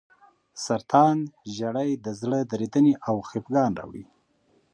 سرطان زیړی د زړه درېدنې او خپګان راوړي.